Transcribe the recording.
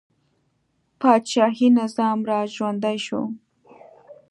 پاچاهي نظام را ژوندی شو.